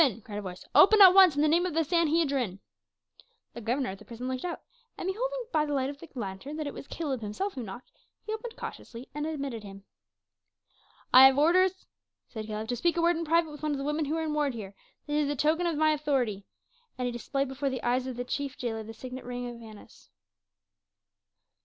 cried a voice. "Open at once, in the name of the Sanhedrim." The governor of the prison looked out, and beholding by the light of the lantern that it was Caleb himself who knocked, he opened cautiously and admitted him. "I have orders," said Caleb, "to speak a word in private with one of the women who are in ward here; this is the token of my authority," and he displayed before the eyes of the chief jailer the signet ring of Annas.